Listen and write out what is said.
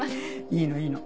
いいのいいの。